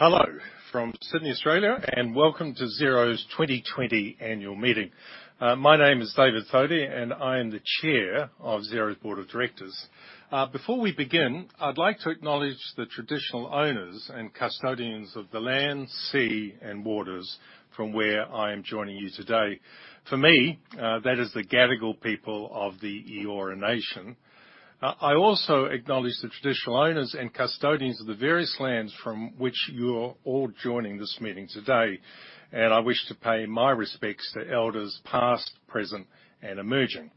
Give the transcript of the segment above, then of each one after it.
Hello from Sydney, Australia, welcome to Xero's 2020 annual meeting. My name is David Thodey, and I am the Chair of Xero's board of directors. Before we begin, I'd like to acknowledge the traditional owners and custodians of the land, sea, and waters from where I am joining you today. For me, that is the Gadigal people of the Eora Nation. I also acknowledge the traditional owners and custodians of the various lands from which you're all joining this meeting today, and I wish to pay my respects to elders past, present, and emerging.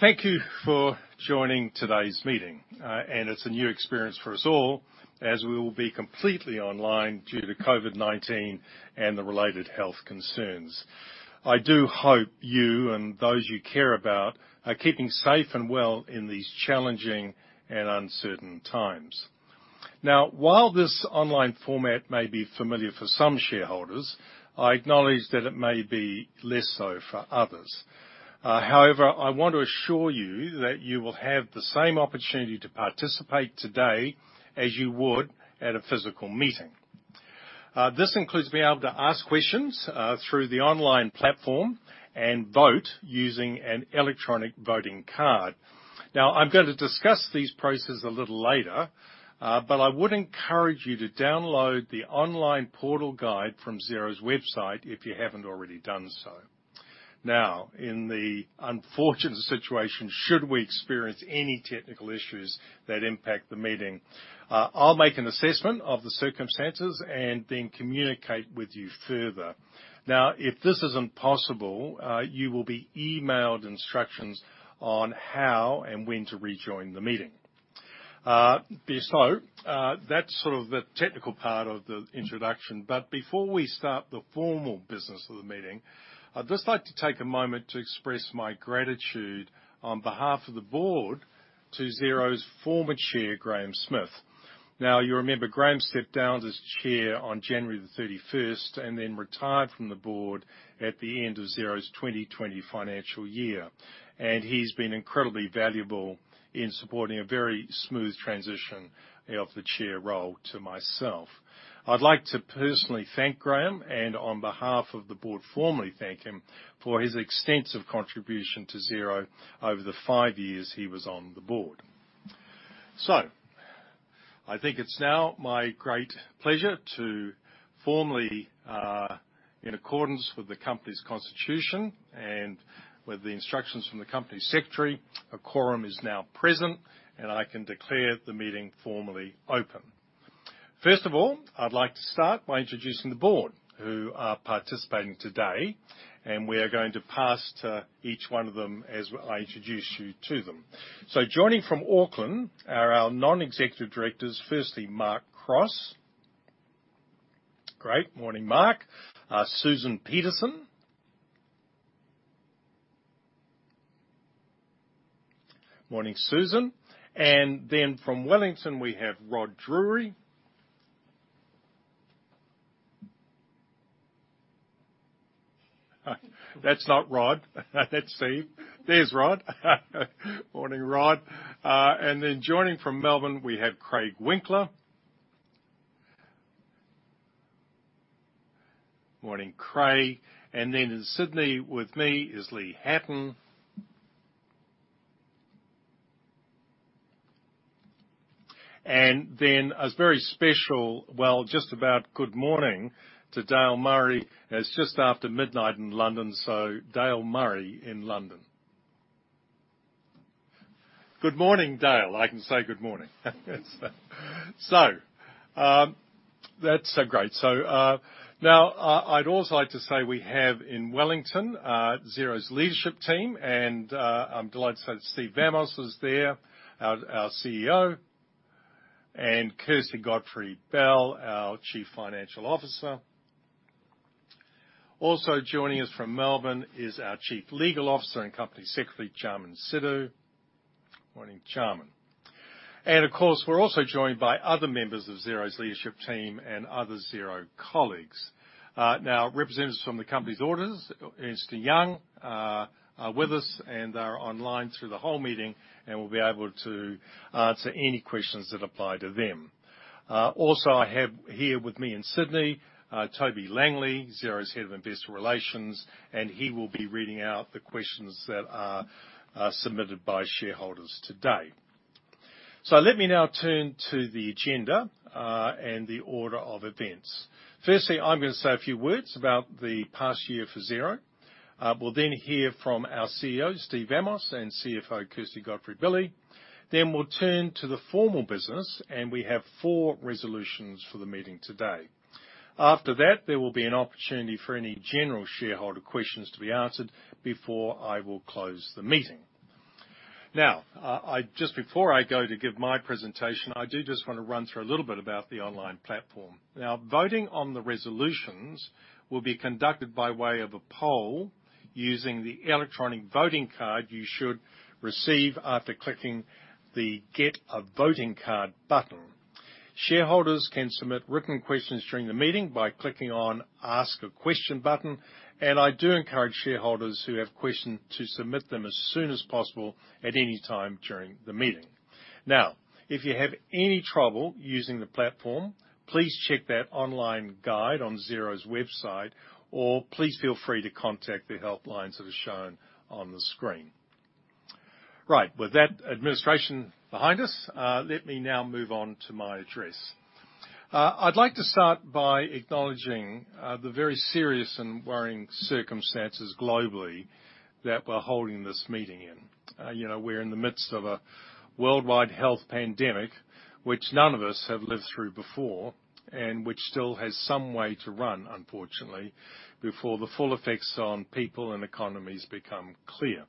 Thank you for joining today's meeting. It's a new experience for us all, as we will be completely online due to COVID-19 and the related health concerns. I do hope you and those you care about are keeping safe and well in these challenging and uncertain times. While this online format may be familiar for some shareholders, I acknowledge that it may be less so for others. However, I want to assure you that you will have the same opportunity to participate today as you would at a physical meeting. This includes being able to ask questions through the online platform and vote using an electronic voting card. I'm going to discuss these processes a little later, but I would encourage you to download the online portal guide from Xero's website if you haven't already done so. In the unfortunate situation, should we experience any technical issues that impact the meeting, I'll make an assessment of the circumstances and then communicate with you further. If this isn't possible, you will be emailed instructions on how and when to rejoin the meeting. That's sort of the technical part of the introduction. Before we start the formal business of the meeting, I'd just like to take a moment to express my gratitude on behalf of the board to Xero's former Chair, Graham Smith. You remember Graham stepped down as Chair on January 31st, and then retired from the board at the end of Xero's 2020 financial year. He's been incredibly valuable in supporting a very smooth transition of the Chair role to myself. I'd like to personally thank Graham, and on behalf of the board, formally thank him for his extensive contribution to Xero over the five years he was on the board. I think it's now my great pleasure to formally, in accordance with the company's constitution and with the instructions from the Company Secretary, a quorum is now present, and I can declare the meeting formally open. First of all, I'd like to start by introducing the board who are participating today, and we are going to pass to each one of them as I introduce you to them. Joining from Auckland are our non-executive directors, firstly, Mark Cross. Great. Morning, Mark. Susan Peterson. Morning, Susan. From Wellington, we have Rod Drury. That's not Rod. That's Steve. There's Rod. Morning, Rod. Joining from Melbourne, we have Craig Winkler. Morning, Craig. In Sydney with me is Lee Hatton. As very special, well, just about good morning to Dale Murray, as just after midnight in London. Dale Murray in London. Good morning, Dale. I can say good morning. That's great. Now, I'd also like to say we have in Wellington, Xero's leadership team, and I'm delighted to say that Steve Vamos is there, our CEO, and Kirsty Godfrey-Billy, our Chief Financial Officer. Also joining us from Melbourne is our Chief Legal Officer and Company Secretary, Chaman Sidhu. Morning, Chaman. Of course, we're also joined by other members of Xero's leadership team and other Xero colleagues. Now, representatives from the company's auditors, Ernst & Young, are with us and are online through the whole meeting and will be able to answer any questions that apply to them. Also, I have here with me in Sydney, Toby Langley, Xero's Head of Investor Relations, and he will be reading out the questions that are submitted by shareholders today. Let me now turn to the agenda, and the order of events. I'm going to say a few words about the past year for Xero. We'll hear from our CEO, Steve Vamos, and CFO, Kirsty Godfrey-Billy. We'll turn to the formal business, and we have four resolutions for the meeting today. After that, there will be an opportunity for any general shareholder questions to be answered before I will close the meeting. Just before I go to give my presentation, I do just want to run through a little bit about the online platform. Voting on the resolutions will be conducted by way of a poll using the electronic voting card you should receive after clicking the Get a voting card button. Shareholders can submit written questions during the meeting by clicking on Ask a Question button, and I do encourage shareholders who have questions to submit them as soon as possible at any time during the meeting. If you have any trouble using the platform, please check that online guide on Xero's website, or please feel free to contact the help lines that are shown on the screen. With that administration behind us, let me now move on to my address. I'd like to start by acknowledging the very serious and worrying circumstances globally that we're holding this meeting in. We're in the midst of a worldwide health pandemic, which none of us have lived through before, and which still has some way to run, unfortunately, before the full effects on people and economies become clear.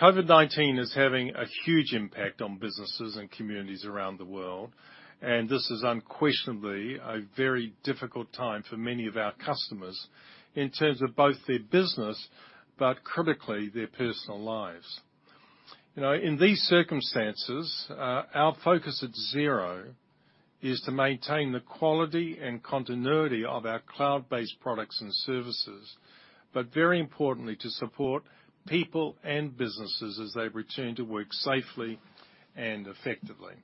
COVID-19 is having a huge impact on businesses and communities around the world, and this is unquestionably a very difficult time for many of our customers in terms of both their business, but critically their personal lives. In these circumstances, our focus at Xero is to maintain the quality and continuity of our cloud-based products and services, but very importantly, to support people and businesses as they return to work safely and effectively.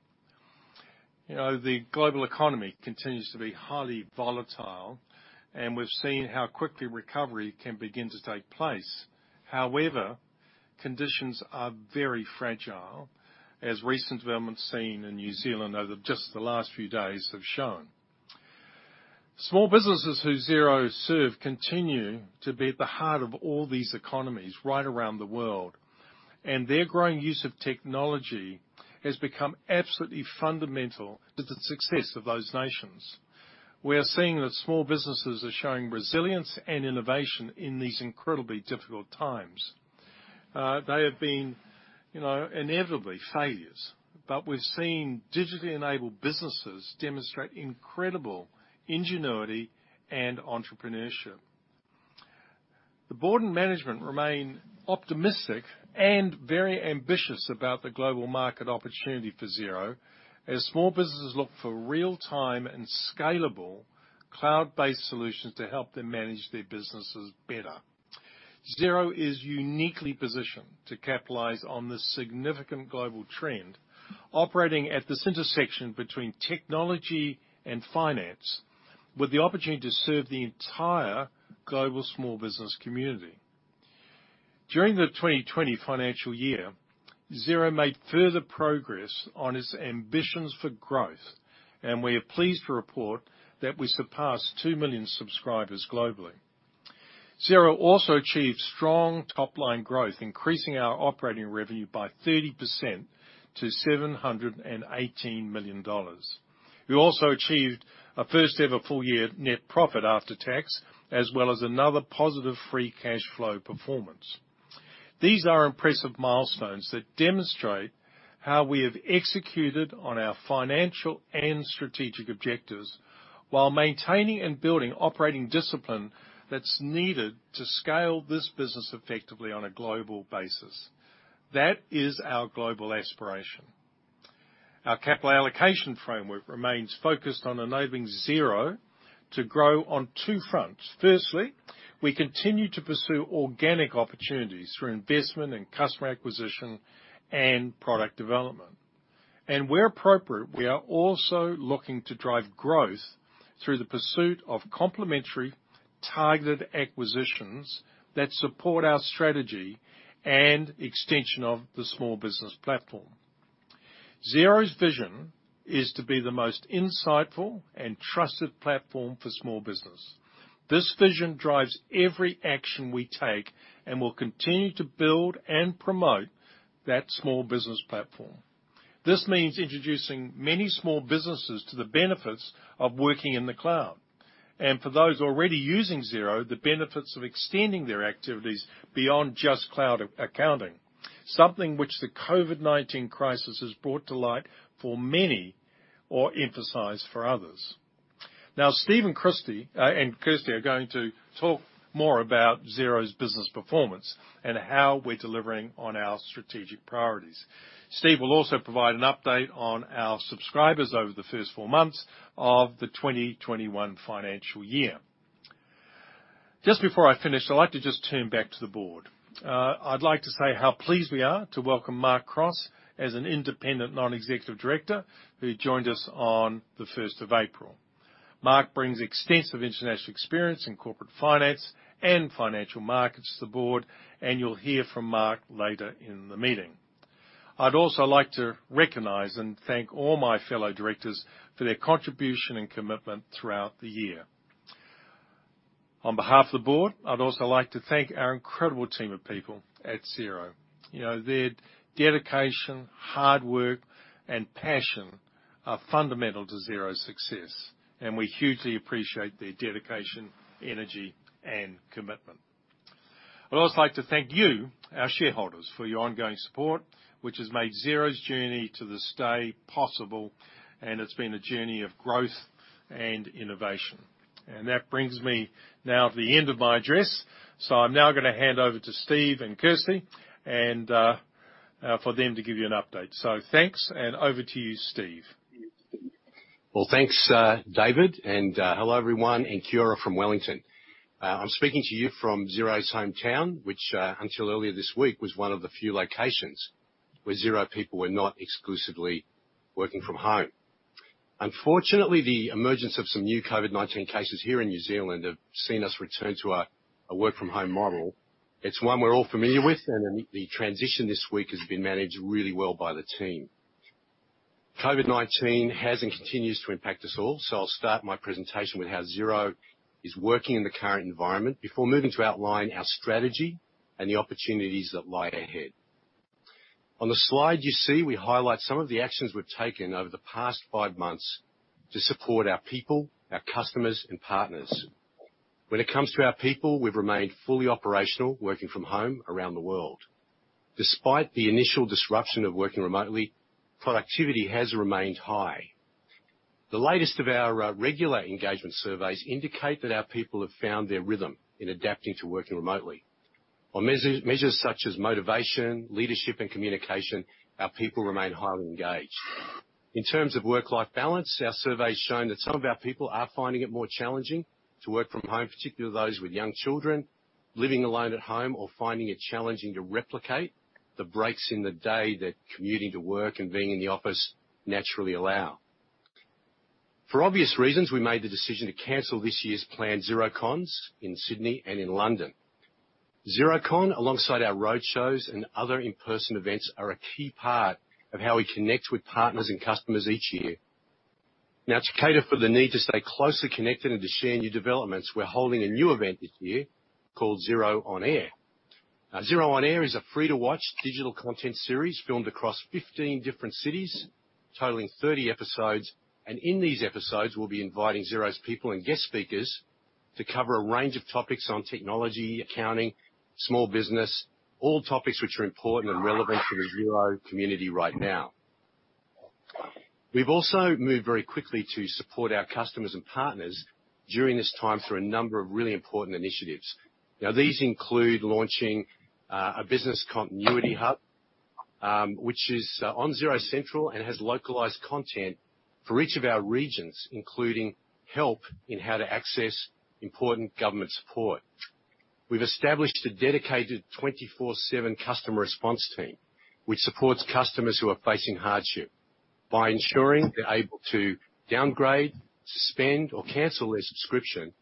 The global economy continues to be highly volatile, and we've seen how quickly recovery can begin to take place. Conditions are very fragile, as recent developments seen in New Zealand over just the last few days have shown. Small businesses who Xero serve continue to be at the heart of all these economies right around the world, and their growing use of technology has become absolutely fundamental to the success of those nations. We are seeing that small businesses are showing resilience and innovation in these incredibly difficult times. There have been inevitably failures, but we've seen digitally enabled businesses demonstrate incredible ingenuity and entrepreneurship. The board and management remain optimistic and very ambitious about the global market opportunity for Xero, as small businesses look for real-time and scalable cloud-based solutions to help them manage their businesses better. Xero is uniquely positioned to capitalize on this significant global trend, operating at this intersection between technology and finance with the opportunity to serve the entire global small business community. During the 2020 financial year, Xero made further progress on its ambitions for growth, and we are pleased to report that we surpassed 2 million subscribers globally. Xero also achieved strong top-line growth, increasing our operating revenue by 30% to 718 million dollars. We also achieved a first-ever full year net profit after tax, as well as another positive free cash flow performance. These are impressive milestones that demonstrate how we have executed on our financial and strategic objectives while maintaining and building operating discipline that's needed to scale this business effectively on a global basis. That is our global aspiration. Our capital allocation framework remains focused on enabling Xero to grow on two fronts. Firstly, we continue to pursue organic opportunities for investment and customer acquisition and product development. Where appropriate, we are also looking to drive growth through the pursuit of complementary, targeted acquisitions that support our strategy and extension of the small business platform. Xero's vision is to be the most insightful and trusted platform for small business. This vision drives every action we take and will continue to build and promote that small business platform. This means introducing many small businesses to the benefits of working in the cloud. For those already using Xero, the benefits of extending their activities beyond just cloud accounting, something which the COVID-19 crisis has brought to light for many or emphasized for others. Steve and Kirsty are going to talk more about Xero's business performance and how we're delivering on our strategic priorities. Steve will also provide an update on our subscribers over the first four months of the 2021 financial year. Just before I finish, I'd like to just turn back to the board. I'd like to say how pleased we are to welcome Mark Cross as an independent non-executive director who joined us on the first of April. Mark brings extensive international experience in corporate finance and financial markets to the board, and you'll hear from Mark later in the meeting. I'd also like to recognize and thank all my fellow directors for their contribution and commitment throughout the year. On behalf of the board, I'd also like to thank our incredible team of people at Xero. Their dedication, hard work, and passion are fundamental to Xero's success. We hugely appreciate their dedication, energy, and commitment. I'd also like to thank you, our shareholders, for your ongoing support, which has made Xero's journey to this day possible, and it's been a journey of growth and innovation. That brings me now to the end of my address. I'm now going to hand over to Steve and Kirsty for them to give you an update. Thanks, over to you, Steve. Well, thanks, David, and hello everyone, and kia ora from Wellington. I'm speaking to you from Xero's hometown, which until earlier this week was one of the few locations where Xero people were not exclusively working from home. Unfortunately, the emergence of some new COVID-19 cases here in New Zealand have seen us return to a work from home model. It's one we're all familiar with. The transition this week has been managed really well by the team. COVID-19 has and continues to impact us all. I'll start my presentation with how Xero is working in the current environment before moving to outline our strategy and the opportunities that lie ahead. On the slide you see, we highlight some of the actions we've taken over the past five months to support our people, our customers, and partners. When it comes to our people, we've remained fully operational, working from home around the world. Despite the initial disruption of working remotely, productivity has remained high. The latest of our regular engagement surveys indicate that our people have found their rhythm in adapting to working remotely. On measures such as motivation, leadership, and communication, our people remain highly engaged. In terms of work-life balance, our survey's shown that some of our people are finding it more challenging to work from home, particularly those with young children, living alone at home, or finding it challenging to replicate the breaks in the day that commuting to work and being in the office naturally allow. For obvious reasons, we made the decision to cancel this year's planned Xerocons in Sydney and in London. Xerocon, alongside our road shows and other in-person events, are a key part of how we connect with partners and customers each year. To cater for the need to stay closely connected and to share new developments, we're holding a new event this year called Xero On Air. Xero On Air is a free-to-watch digital content series filmed across 15 different cities, totaling 30 episodes. In these episodes, we'll be inviting Xero's people and guest speakers to cover a range of topics on technology, accounting, small business, all topics which are important and relevant to the Xero community right now. We've also moved very quickly to support our customers and partners during this time through a number of really important initiatives. These include launching a business continuity hub, which is on Xero Central and has localized content for each of our regions, including help in how to access important government support. We've established a dedicated 24/7 customer response team, which supports customers who are facing hardship by ensuring they're able to downgrade, suspend, or cancel their subscription,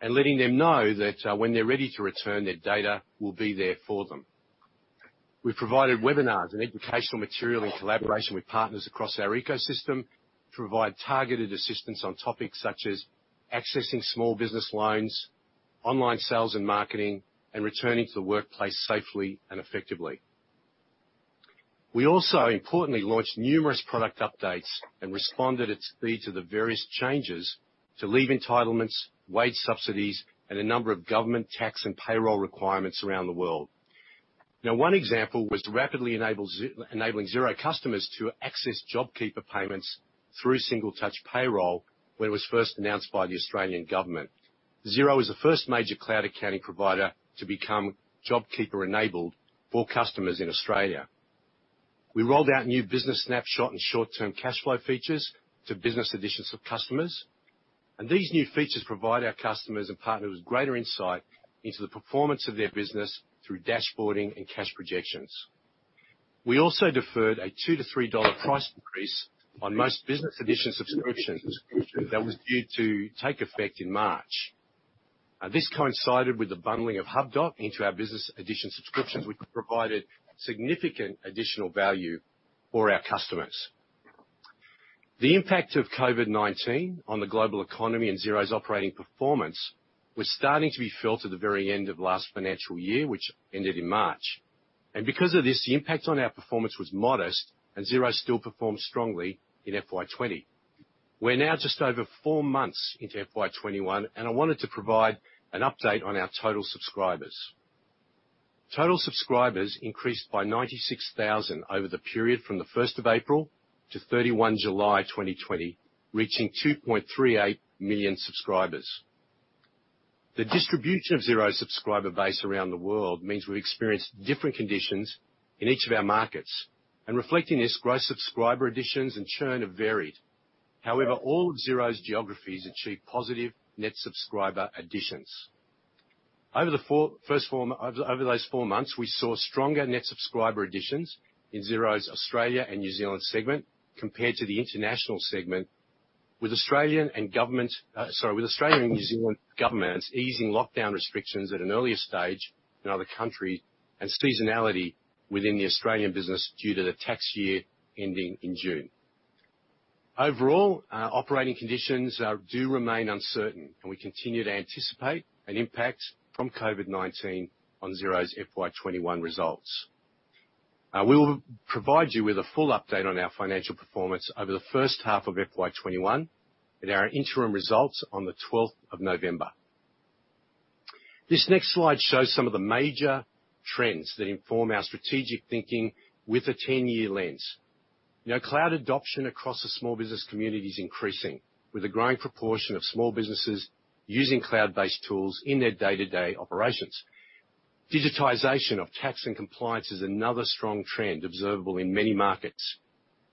and letting them know that when they're ready to return, their data will be there for them. We've provided webinars and educational material in collaboration with partners across our ecosystem to provide targeted assistance on topics such as accessing small business loans, online sales and marketing, and returning to the workplace safely and effectively. We also importantly launched numerous product updates and responded at speed to the various changes to leave entitlements, wage subsidies, and a number of government tax and payroll requirements around the world. One example was rapidly enabling Xero customers to access JobKeeper Payment through Single Touch Payroll when it was first announced by the Australian government. Xero was the first major cloud accounting provider to become JobKeeper-enabled for customers in Australia. We rolled out new business snapshot and short-term cash flow features to business editions of customers. These new features provide our customers and partners with greater insight into the performance of their business through dashboarding and cash projections. We also deferred a $2-$3 price increase on most business edition subscriptions that was due to take effect in March. This coincided with the bundling of Hubdoc into our business edition subscriptions, which provided significant additional value for our customers. The impact of COVID-19 on the global economy and Xero's operating performance was starting to be felt at the very end of last financial year, which ended in March. Because of this, the impact on our performance was modest and Xero still performed strongly in FY 2020. We're now just over four months into FY 2021. I wanted to provide an update on our total subscribers. Total subscribers increased by 96,000 over the period from the 1st of April to 31 July 2020, reaching 2.38 million subscribers. The distribution of Xero's subscriber base around the world means we've experienced different conditions in each of our markets. Reflecting this, gross subscriber additions and churn have varied. However, all of Xero's geographies achieved positive net subscriber additions. Over those four months, we saw stronger net subscriber additions in Xero's Australia and New Zealand Segment compared to the International Segment, with Australian and New Zealand governments easing lockdown restrictions at an earlier stage than other countries, and seasonality within the Australian business due to the tax year ending in June. Overall, operating conditions do remain uncertain, and we continue to anticipate an impact from COVID-19 on Xero's FY2021 results. We will provide you with a full update on our financial performance over the first half of FY2021 in our interim results on the 12th of November. This next slide shows some of the major trends that inform our strategic thinking with a 10-year lens. Cloud adoption across the small business community is increasing, with a growing proportion of small businesses using cloud-based tools in their day-to-day operations. Digitization of tax and compliance is another strong trend observable in many markets.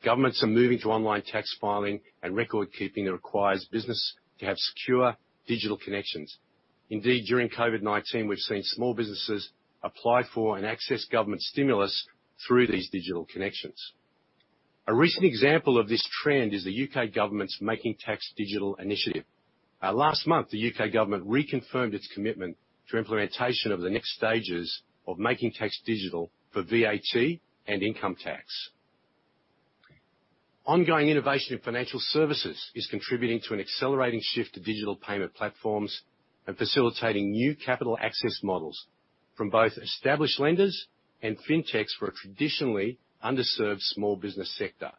Governments are moving to online tax filing and record keeping that requires business to have secure digital connections. Indeed, during COVID-19, we've seen small businesses apply for and access government stimulus through these digital connections. A recent example of this trend is the U.K. government's Making Tax Digital initiative. Last month, the U.K. government reconfirmed its commitment to implementation of the next stages of Making Tax Digital for VAT and income tax. Ongoing innovation in financial services is contributing to an accelerating shift to digital payment platforms and facilitating new capital access models from both established lenders and fintechs for a traditionally underserved small business sector.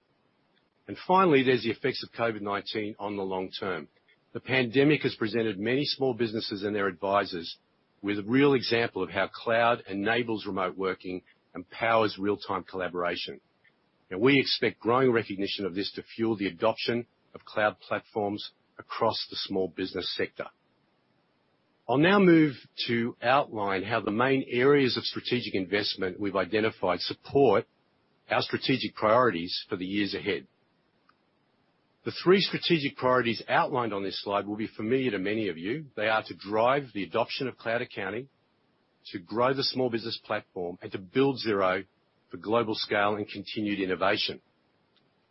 Finally, there's the effects of COVID-19 on the long term. The pandemic has presented many small businesses and their advisors with a real example of how cloud enables remote working and powers real-time collaboration. We expect growing recognition of this to fuel the adoption of cloud platforms across the small business sector. I'll now move to outline how the main areas of strategic investment we've identified support our strategic priorities for the years ahead. The three strategic priorities outlined on this slide will be familiar to many of you. They are to drive the adoption of cloud accounting, to grow the small business platform, and to build Xero for global scale and continued innovation.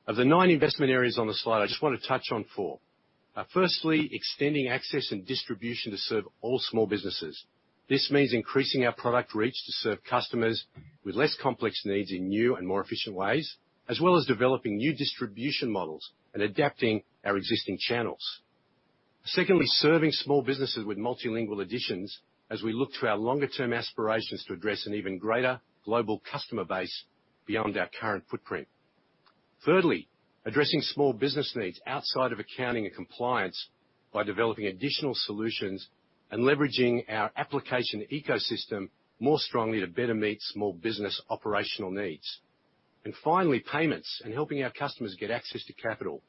Of the nine investment areas on the slide, I just want to touch on four. Firstly, extending access and distribution to serve all small businesses. This means increasing our product reach to serve customers with less complex needs in new and more efficient ways, as well as developing new distribution models and adapting our existing channels. Secondly, serving small businesses with multilingual editions as we look to our longer term aspirations to address an even greater global customer base beyond our current footprint. Thirdly, addressing small business needs outside of accounting and compliance by developing additional solutions and leveraging our application ecosystem more strongly to better meet small business operational needs. Finally, payments and helping our customers get access to capital.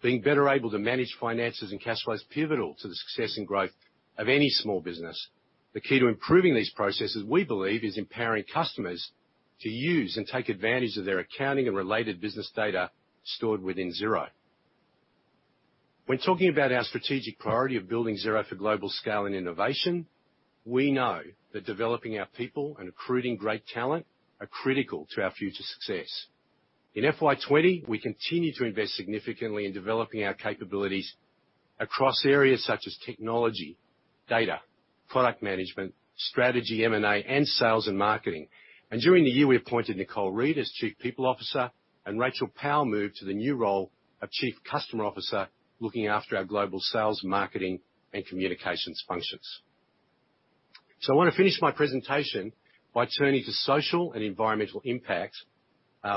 Being better able to manage finances and cash flow is pivotal to the success and growth of any small business. The key to improving these processes, we believe, is empowering customers to use and take advantage of their accounting and related business data stored within Xero. When talking about our strategic priority of building Xero for global scale and innovation, we know that developing our people and recruiting great talent are critical to our future success. In FY 2020, we continued to invest significantly in developing our capabilities across areas such as technology, data, product management, strategy, M&A, and sales and marketing. During the year, we appointed Nicole Reid as Chief People Officer and Rachael Powell moved to the new role of Chief Customer Officer, looking after our global sales, marketing, and communications functions. I want to finish my presentation by turning to social and environmental impact.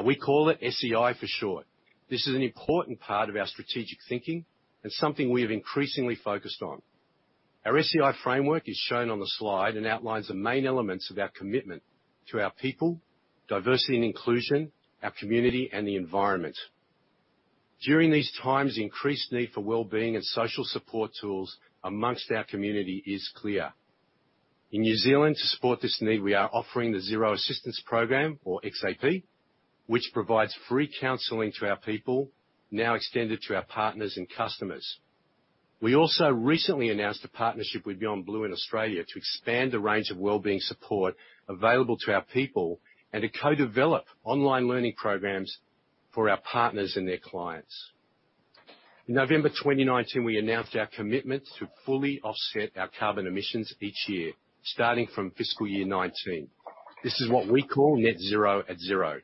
We call it SEI for short. This is an important part of our strategic thinking and something we have increasingly focused on. Our SEI framework is shown on the slide and outlines the main elements of our commitment to our people, diversity and inclusion, our community, and the environment. During these times, the increased need for wellbeing and social support tools amongst our community is clear. In New Zealand, to support this need, we are offering the Xero Assistance Program, or XAP, which provides free counseling to our people, now extended to our partners and customers. We also recently announced a partnership with Beyond Blue in Australia to expand the range of wellbeing support available to our people and to co-develop online learning programs for our partners and their clients. In November 2019, we announced our commitment to fully offset our carbon emissions each year, starting from fiscal year 2019. This is what we call Net Zero at Xero.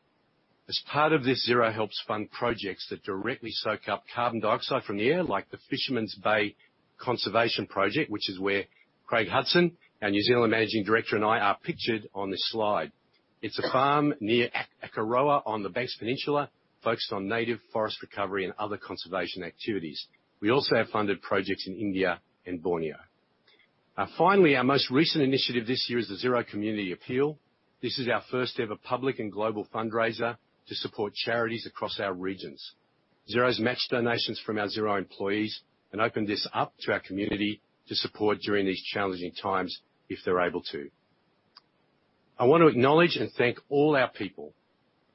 As part of this, Xero helps fund projects that directly soak up carbon dioxide from the air, like the Fishermans Bay Conservation Project, which is where Craig Hudson, our New Zealand Managing Director, and I are pictured on this slide. It's a farm near Akaroa on the Banks Peninsula, focused on native forest recovery and other conservation activities. We also have funded projects in India and Borneo. Finally, our most recent initiative this year is the Xero Community Appeal. This is our first ever public and global fundraiser to support charities across our regions. Xero has matched donations from our Xero employees and opened this up to our community to support during these challenging times if they're able to. I want to acknowledge and thank all our people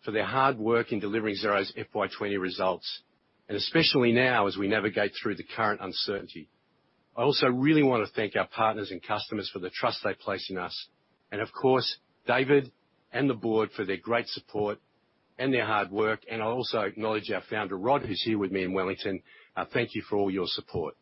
for their hard work in delivering Xero's FY20 results, and especially now as we navigate through the current uncertainty. I also really want to thank our partners and customers for the trust they place in us, and of course, David and the board for their great support and their hard work. I also acknowledge our founder, Rod, who's here with me in Wellington. Thank you for all your support.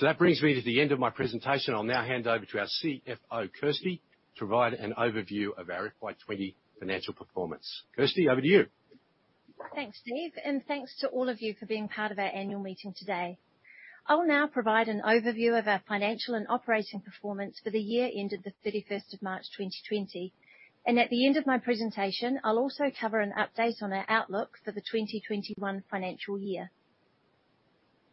That brings me to the end of my presentation. I'll now hand over to our CFO, Kirsty, to provide an overview of our FY 2020 financial performance. Kirsty, over to you. Thanks, Dave, and thanks to all of you for being part of our annual meeting today. I will now provide an overview of our financial and operating performance for the year ended the 31st of March, 2020. At the end of my presentation, I'll also cover an update on our outlook for the 2021 financial year.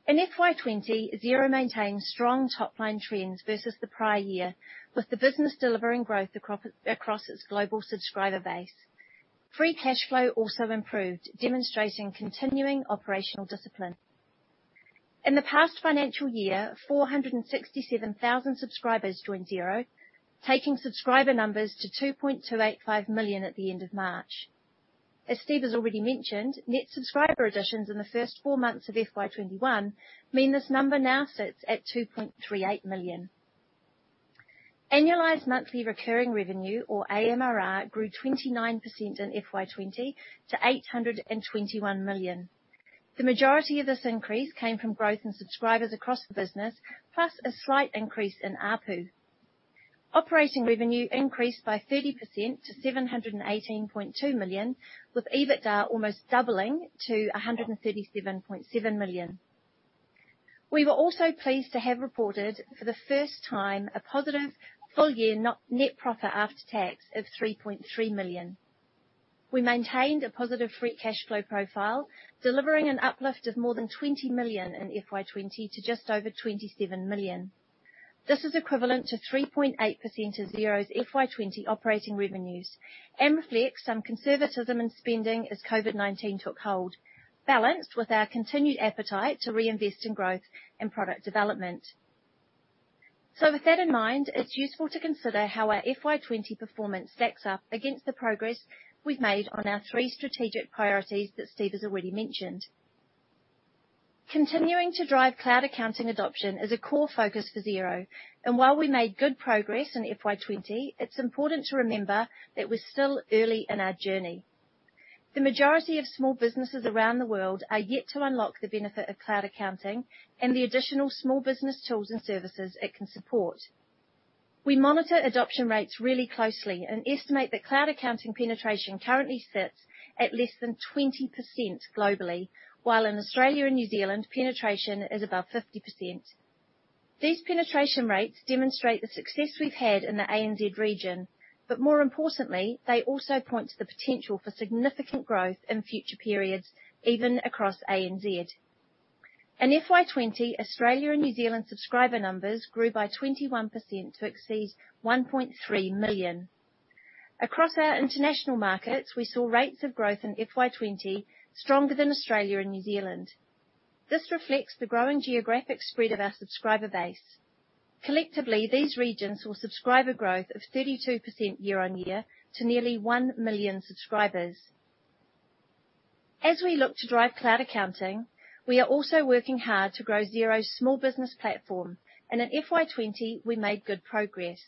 In FY 2020, Xero maintains strong top-line trends versus the prior year, with the business delivering growth across its global subscriber base. Free cash flow also improved, demonstrating continuing operational discipline. In the past financial year, 467,000 subscribers joined Xero, taking subscriber numbers to 2.285 million at the end of March. As Steve has already mentioned, net subscriber additions in the first four months of FY 2021 mean this number now sits at 2.38 million. Annualized monthly recurring revenue, or AMRR, grew 29% in FY 2020 to 821 million. The majority of this increase came from growth in subscribers across the business, plus a slight increase in ARPU. Operating revenue increased by 30% to 718.2 million, with EBITDA almost doubling to 137.7 million. We were also pleased to have reported, for the first time, a positive full-year net profit after tax of 3.3 million. We maintained a positive free cash flow profile, delivering an uplift of more than 20 million in FY 2020 to just over 27 million. This is equivalent to 3.8% of Xero's FY 2020 operating revenues and reflects some conservatism in spending as COVID-19 took hold, balanced with our continued appetite to reinvest in growth and product development. With that in mind, it's useful to consider how our FY 2020 performance stacks up against the progress we've made on our three strategic priorities that Steve has already mentioned. Continuing to drive cloud accounting adoption is a core focus for Xero, and while we made good progress in FY 2020, it's important to remember that we're still early in our journey. The majority of small businesses around the world are yet to unlock the benefit of cloud accounting and the additional small business tools and services it can support. We monitor adoption rates really closely and estimate that cloud accounting penetration currently sits at less than 20% globally, while in Australia and New Zealand, penetration is above 50%. These penetration rates demonstrate the success we've had in the ANZ region, but more importantly, they also point to the potential for significant growth in future periods, even across ANZ. In FY 2020, Australia and New Zealand subscriber numbers grew by 21% to exceed 1.3 million. Across our international markets, we saw rates of growth in FY 2020 stronger than Australia and New Zealand. This reflects the growing geographic spread of our subscriber base. Collectively, these regions saw subscriber growth of 32% year-on-year to nearly 1 million subscribers. As we look to drive cloud accounting, we are also working hard to grow Xero's small business platform, and in FY 2020, we made good progress.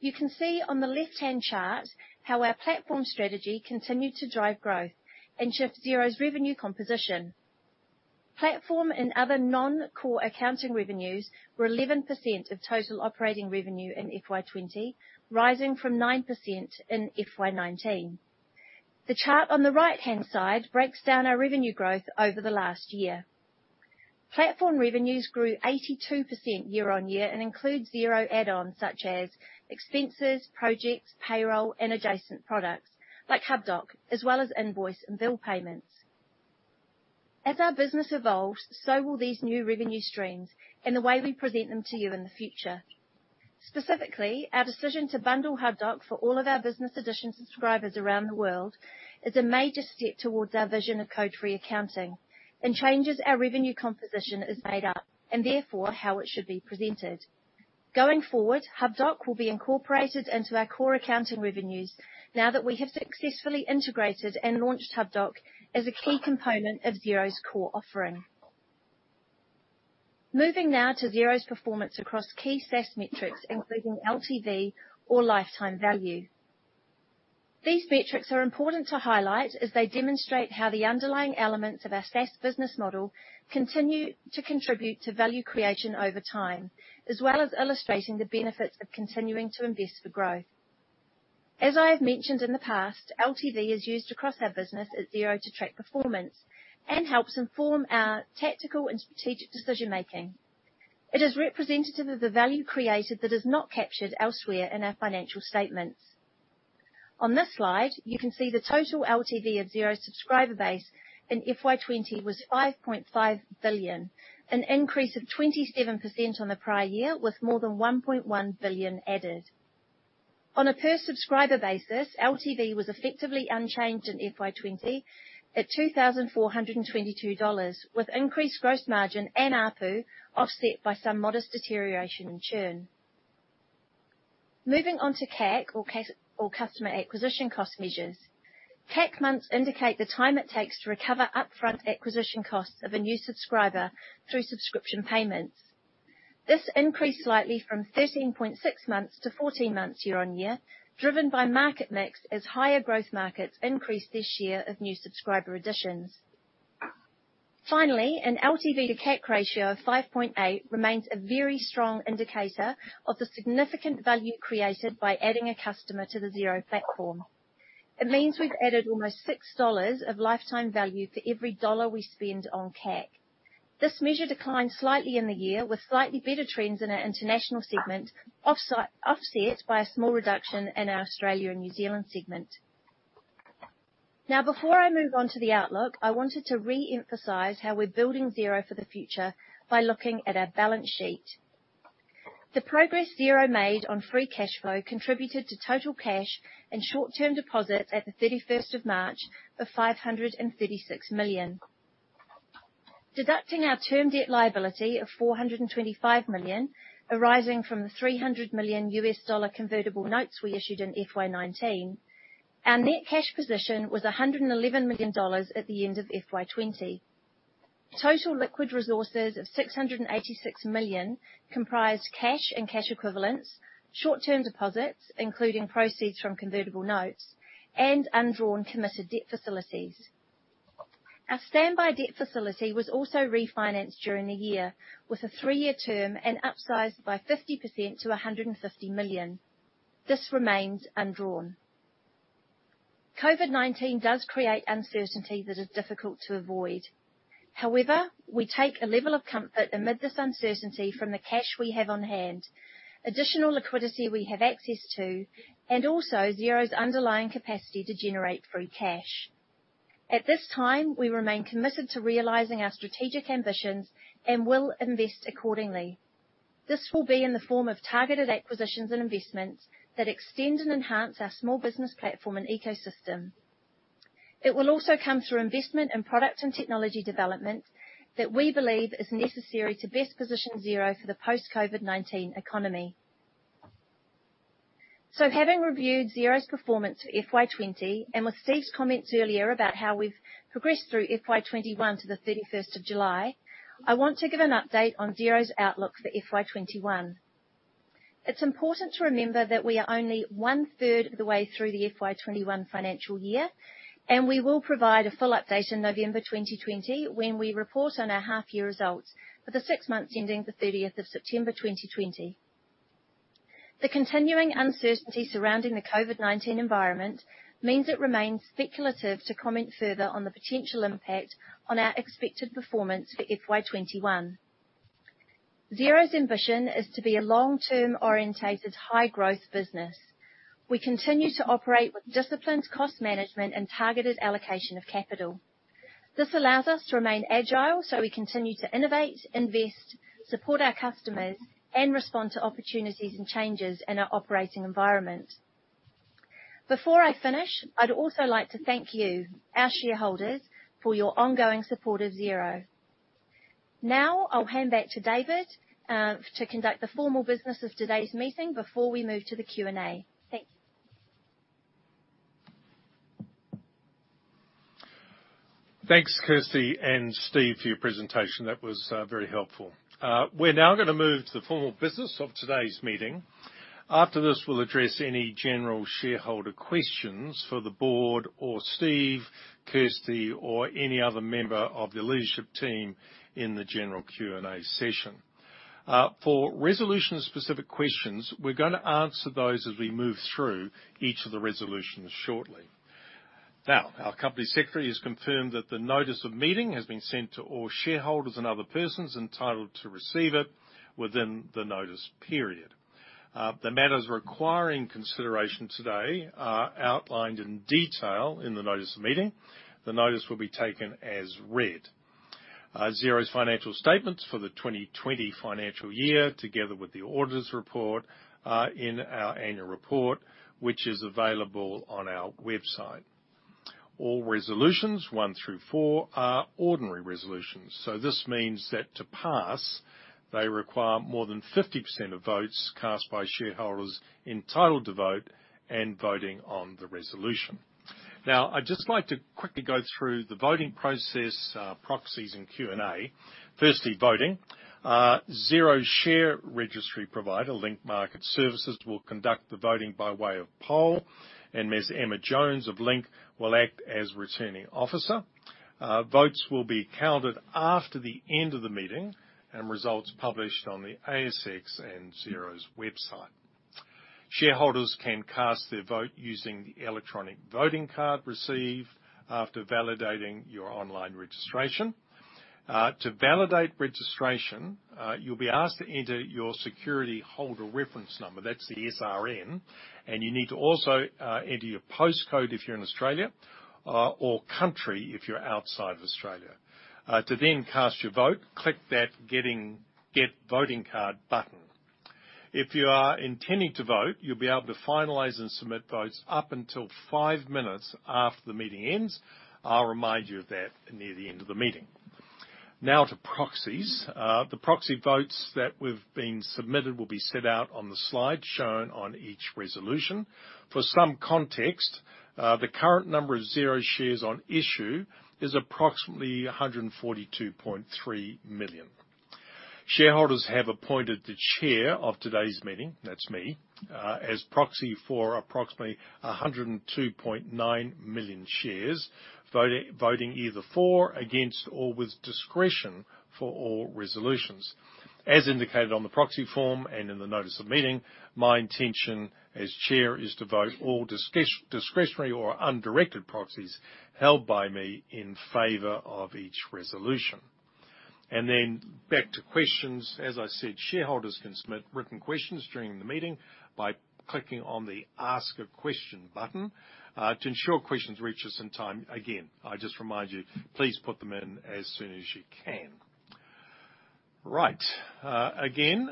You can see on the left-hand chart how our platform strategy continued to drive growth and shift Xero's revenue composition. Platform and other non-core accounting revenues were 11% of total operating revenue in FY 2020, rising from 9% in FY 2019. The chart on the right-hand side breaks down our revenue growth over the last year. Platform revenues grew 82% year-on-year and includes Xero add-ons such as expenses, projects, payroll, and adjacent products like Hubdoc, as well as invoice and bill payments. As our business evolves, so will these new revenue streams and the way we present them to you in the future. Specifically, our decision to bundle Hubdoc for all of our business edition subscribers around the world is a major step towards our vision of code-free accounting and changes how our revenue composition is made up and therefore how it should be presented. Going forward, Hubdoc will be incorporated into our core accounting revenues now that we have successfully integrated and launched Hubdoc as a key component of Xero's core offering. Moving now to Xero's performance across key SaaS metrics, including LTV or lifetime value. These metrics are important to highlight as they demonstrate how the underlying elements of our SaaS business model continue to contribute to value creation over time, as well as illustrating the benefits of continuing to invest for growth. As I have mentioned in the past, LTV is used across our business at Xero to track performance and helps inform our tactical and strategic decision-making. It is representative of the value created that is not captured elsewhere in our financial statements. On this slide, you can see the total LTV of Xero's subscriber base in FY 2020 was 5.5 billion, an increase of 27% on the prior year, with more than 1.1 billion added. On a per-subscriber basis, LTV was effectively unchanged in FY 2020 at $2,422, with increased gross margin and ARPU offset by some modest deterioration in churn. Moving on to CAC or customer acquisition cost measures. CAC months indicate the time it takes to recover upfront acquisition costs of a new subscriber through subscription payments. This increased slightly from 13.6 months to 14 months year-on-year, driven by market mix as higher growth markets increased their share of new subscriber additions. Finally, an LTV to CAC ratio of 5.8 remains a very strong indicator of the significant value created by adding a customer to the Xero platform. It means we've added almost $6 of lifetime value for every $ we spend on CAC. This measure declined slightly in the year with slightly better trends in our international segment, offset by a small reduction in our Australia and New Zealand segment. Before I move on to the outlook, I wanted to reemphasize how we're building Xero for the future by looking at our balance sheet. The progress Xero made on free cash flow contributed to total cash and short-term deposits at the 31st of March of 536 million. Deducting our term debt liability of 425 million arising from the $300 million USD convertible notes we issued in FY 2019, our net cash position was $111 million at the end of FY 2020. Total liquid resources of 686 million comprised cash and cash equivalents, short-term deposits, including proceeds from convertible notes, and undrawn committed debt facilities. Our standby debt facility was also refinanced during the year with a three-year term and upsized by 50% to 150 million. This remains undrawn. COVID-19 does create uncertainty that is difficult to avoid. We take a level of comfort amid this uncertainty from the cash we have on hand, additional liquidity we have access to, and also Xero's underlying capacity to generate free cash. At this time, we remain committed to realizing our strategic ambitions and will invest accordingly. This will be in the form of targeted acquisitions and investments that extend and enhance our small business platform and ecosystem. It will also come through investment in product and technology development that we believe is necessary to best position Xero for the post-COVID-19 economy. Having reviewed Xero's performance for FY 2020, and with Steve's comments earlier about how we've progressed through FY 2021 to the 31st of July, I want to give an update on Xero's outlook for FY 2021. It's important to remember that we are only 4/3 of the way through the FY 2021 financial year, and we will provide a full update in November 2020 when we report on our six months results for the 30th of September 2020. The continuing uncertainty surrounding the COVID-19 environment means it remains speculative to comment further on the potential impact on our expected performance for FY 2021. Xero's ambition is to be a long-term orientated high-growth business. We continue to operate with disciplined cost management and targeted allocation of capital. This allows us to remain agile so we continue to innovate, invest, support our customers, and respond to opportunities and changes in our operating environment. Before I finish, I'd also like to thank you, our shareholders, for your ongoing support of Xero. Now, I'll hand back to David, to conduct the formal business of today's meeting before we move to the Q&A. Thank you. Thanks, Kirsty and Steve, for your presentation. That was very helpful. We're now going to move to the formal business of today's meeting. After this, we'll address any general shareholder questions for the board or Steve, Kirsty, or any other member of the leadership team in the general Q&A session. For resolution-specific questions, we're going to answer those as we move through each of the resolutions shortly. Our company secretary has confirmed that the notice of meeting has been sent to all shareholders and other persons entitled to receive it within the notice period. The matters requiring consideration today are outlined in detail in the notice of meeting. The notice will be taken as read. Xero's financial statements for the 2020 financial year, together with the auditor's report, are in our annual report, which is available on our website. All resolutions, one through four, are ordinary resolutions. This means that to pass, they require more than 50% of votes cast by shareholders entitled to vote and voting on the resolution. I'd just like to quickly go through the voting process, proxies, and Q&A. Firstly, voting. Xero's share registry provider, Link Market Services, will conduct the voting by way of poll, and Ms. Emma Jones of Link will act as Returning Officer. Votes will be counted after the end of the meeting, and results published on the ASX and Xero's website. Shareholders can cast their vote using the electronic voting card received after validating your online registration. To validate registration, you'll be asked to enter your Securityholder Reference Number, that's the SRN, and you need to also enter your postcode if you're in Australia, or country if you're outside of Australia. To cast your vote, click that Get Voting Card button. If you are intending to vote, you'll be able to finalize and submit votes up until five minutes after the meeting ends. I'll remind you of that near the end of the meeting. Now to proxies. The proxy votes that have been submitted will be set out on the slide shown on each resolution. For some context, the current number of Xero shares on issue is approximately 142.3 million. Shareholders have appointed the chair of today's meeting, that's me, as proxy for approximately 102.9 million shares, voting either for, against, or with discretion for all resolutions. As indicated on the proxy form and in the notice of meeting, my intention as chair is to vote all discretionary or undirected proxies held by me in favor of each resolution. Then back to questions. As I said, shareholders can submit written questions during the meeting by clicking on the Ask a Question button. To ensure questions reach us in time, again, I just remind you, please put them in as soon as you can. Again,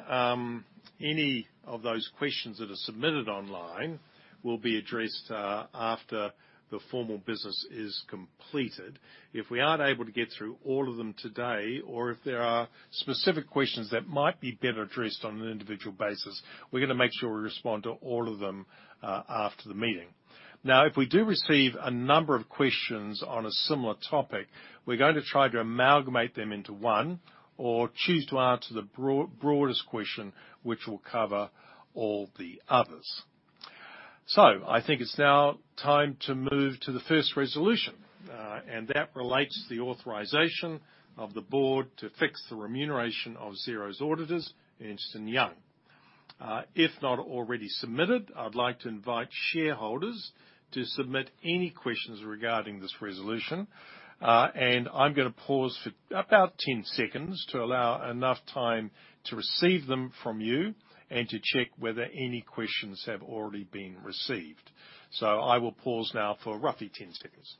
any of those questions that are submitted online will be addressed after the formal business is completed. If we aren't able to get through all of them today, or if there are specific questions that might be better addressed on an individual basis, we're going to make sure we respond to all of them after the meeting. If we do receive a number of questions on a similar topic, we're going to try to amalgamate them into one or choose to answer the broadest question, which will cover all the others. I think it's now time to move to the first resolution. That relates to the authorization of the board to fix the remuneration of Xero's auditors, Ernst & Young. If not already submitted, I'd like to invite shareholders to submit any questions regarding this resolution. I'm going to pause for about 10 seconds to allow enough time to receive them from you and to check whether any questions have already been received. I will pause now for roughly 10 seconds.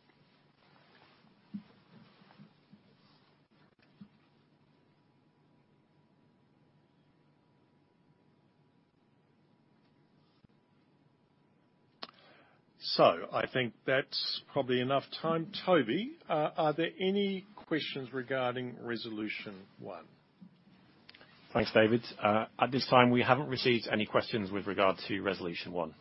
I think that's probably enough time. Toby, are there any questions regarding resolution one? Thanks, David. At this time, we haven't received any questions with regard to resolution one.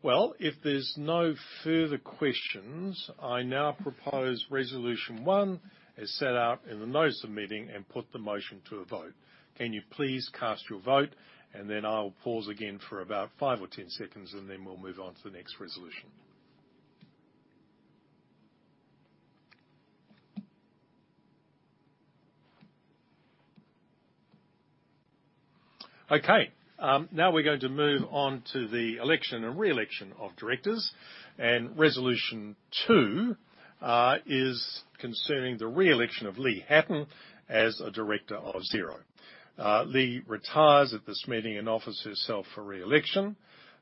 Well, if there's no further questions, I now propose resolution one as set out in the notice of meeting and put the motion to a vote. Can you please cast your vote, and then I'll pause again for about five or 10 seconds, and then we'll move on to the next resolution. Okay. Now we're going to move on to the election and re-election of directors. Resolution two is concerning the re-election of Lee Hatton as a director of Xero. Lee retires at this meeting and offers herself for re-election.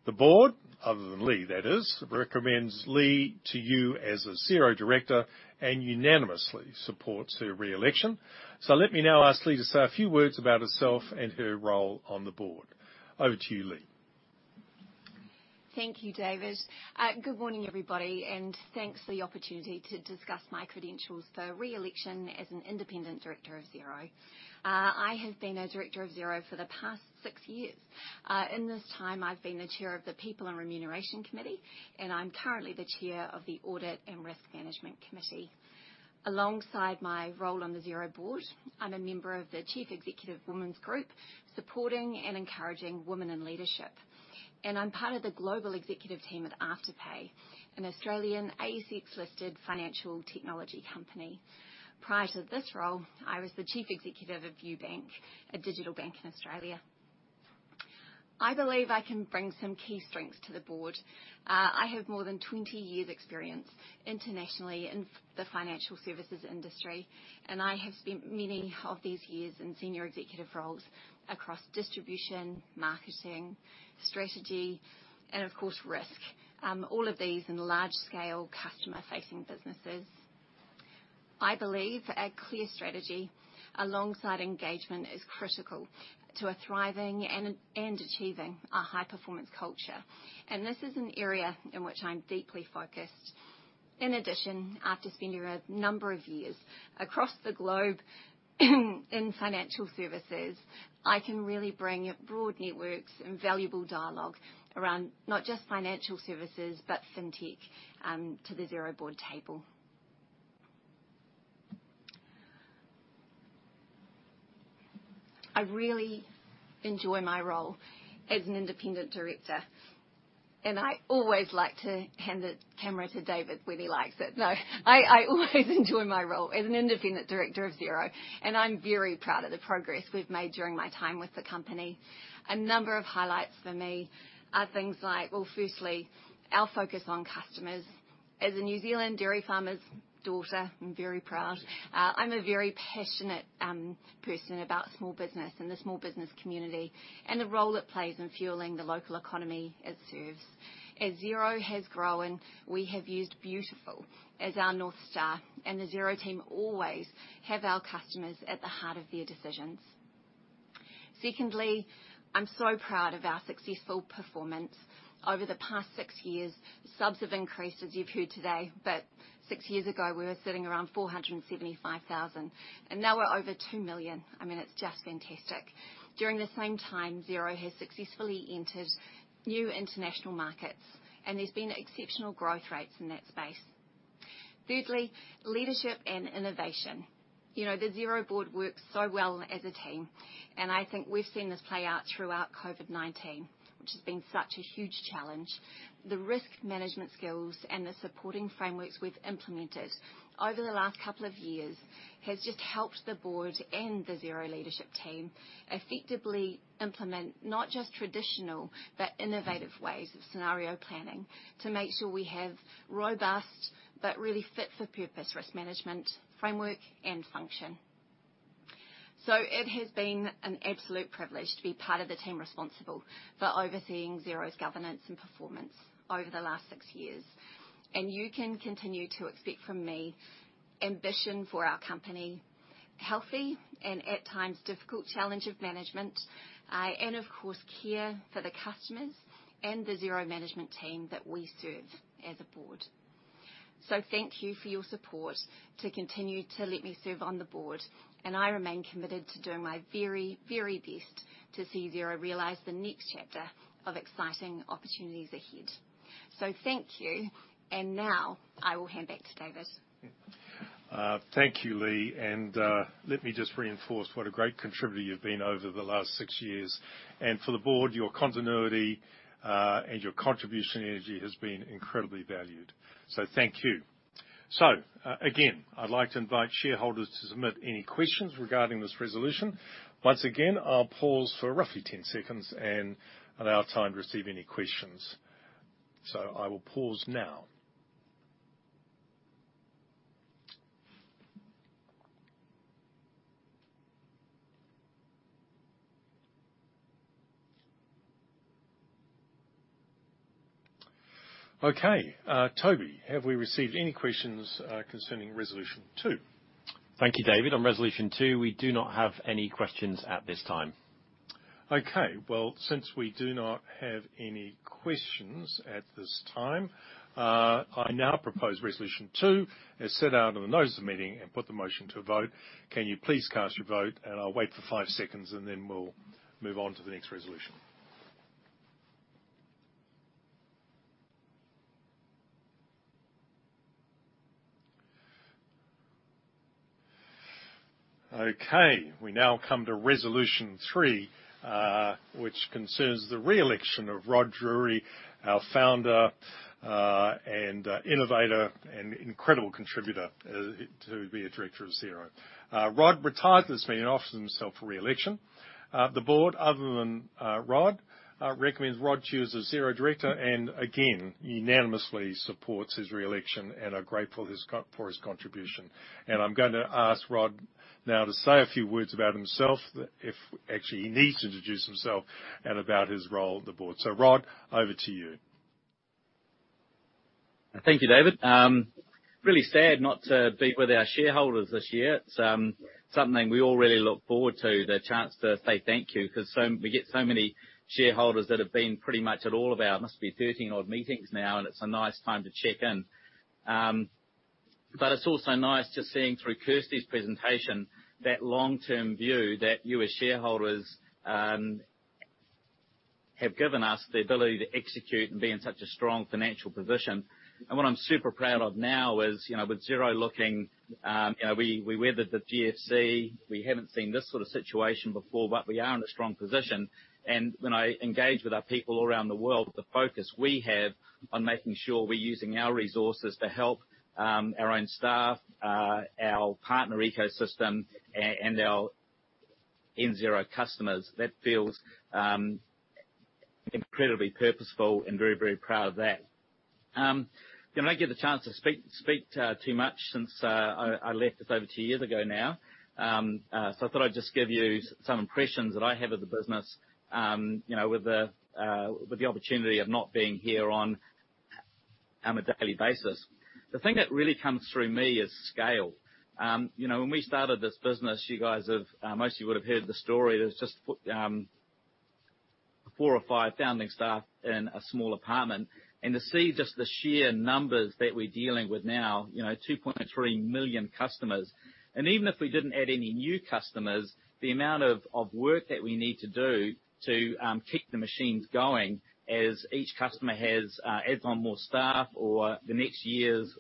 The board, other than Lee that is, recommends Lee to you as a Xero director and unanimously supports her re-election. Let me now ask Lee to say a few words about herself and her role on the board. Over to you, Lee. Thank you, David. Good morning, everybody, and thanks for the opportunity to discuss my credentials for re-election as an independent director of Xero. I have been a director of Xero for the past six years. In this time, I've been the chair of the People and Remuneration Committee, and I'm currently the chair of the Audit and Risk Management Committee. Alongside my role on the Xero board, I'm a member of the Chief Executive Women's Group, supporting and encouraging women in leadership. I'm part of the global executive team at Afterpay, an Australian ASX-listed financial technology company. Prior to this role, I was the chief executive of UBank, a digital bank in Australia. I believe I can bring some key strengths to the board. I have more than 20 years' experience internationally in the financial services industry, and I have spent many of these years in senior executive roles across distribution, marketing, strategy, and of course, risk. All of these in large-scale customer-facing businesses. I believe a clear strategy alongside engagement is critical to a thriving and achieving a high-performance culture. This is an area in which I'm deeply focused. In addition, after spending a number of years across the globe in financial services, I can really bring broad networks and valuable dialogue around not just financial services, but fintech to the Xero board table. I really enjoy my role as an independent director. I always like to hand the camera to David when he likes it. No. I always enjoy my role as an independent director of Xero, and I'm very proud of the progress we've made during my time with the company. A number of highlights for me are things like, well, firstly, our focus on customers. As a New Zealand dairy farmer's daughter, I'm very proud. I'm a very passionate person about small business and the small business community and the role it plays in fueling the local economy it serves. As Xero has grown, we have used Beautiful as our North Star, and the Xero team always have our customers at the heart of their decisions. Secondly, I'm so proud of our successful performance over the past six years. Subs have increased, as you've heard today, but six years ago, we were sitting around 475,000, and now we're over 2 million. It's just fantastic. During the same time, Xero has successfully entered new international markets, and there's been exceptional growth rates in that space. Thirdly, leadership and innovation. The Xero board works so well as a team, and I think we've seen this play out throughout COVID-19, which has been such a huge challenge. The risk management skills and the supporting frameworks we've implemented over the last couple of years has just helped the board and the Xero leadership team effectively implement not just traditional but innovative ways of scenario planning to make sure we have robust but really fit-for-purpose risk management, framework, and function. It has been an absolute privilege to be part of the team responsible for overseeing Xero's governance and performance over the last six years, and you can continue to expect from me ambition for our company, healthy and at times, difficult challenge of management, and of course, care for the customers and the Xero management team that we serve as a board. Thank you for your support to continue to let me serve on the board, and I remain committed to doing my very best to see Xero realize the next chapter of exciting opportunities ahead. Thank you, and now I will hand back to David. Thank you, Lee. Let me just reinforce what a great contributor you've been over the last six years. For the board, your continuity, and your contribution energy has been incredibly valued. Thank you. Again, I'd like to invite shareholders to submit any questions regarding this resolution. Once again, I'll pause for roughly 10 seconds and allow time to receive any questions. I will pause now. Okay. Toby, have we received any questions concerning resolution two? Thank you, David. On resolution two, we do not have any questions at this time. Okay. Well, since we do not have any questions at this time, I now propose resolution two, as set out on the notice of the meeting and put the motion to a vote. Can you please cast your vote, I'll wait for five seconds, then we'll move on to the next resolution. Okay. We now come to resolution three, which concerns the re-election of Rod Drury, our founder, innovator, and incredible contributor to be a director of Xero. Rod retired this meeting offers himself for re-election. The board, other than Rod, recommends Rod to you as a Xero director, again, unanimously supports his re-election are grateful for his contribution. I'm going to ask Rod now to say a few words about himself, if actually he needs to introduce himself, about his role at the board. Rod, over to you. Thank you, David. Really sad not to be with our shareholders this year. It's something we all really look forward to, the chance to say thank you, because we get so many shareholders that have been pretty much at all of our, must be 13-odd meetings now, and it's a nice time to check in. It's also nice just seeing through Kirsty's presentation, that long-term view that you, as shareholders, have given us the ability to execute and be in such a strong financial position. What I'm super proud of now is, with Xero looking, we weathered the GFC, we haven't seen this sort of situation before, but we are in a strong position. When I engage with our people all around the world, the focus we have on making sure we're using our resources to help our own staff, our partner ecosystem, and our end Xero customers. That feels incredibly purposeful and very proud of that. I don't get the chance to speak too much since I left just over two years ago now. I thought I'd just give you some impressions that I have of the business, with the opportunity of not being here on a daily basis. The thing that really comes through me is scale. When we started this business, most of you would have heard the story. There's just four or five founding staff in a small apartment, and to see just the sheer numbers that we're dealing with now, 2.3 million customers. Even if we didn't add any new customers, the amount of work that we need to do to keep the machines going as each customer adds on more staff or the next year's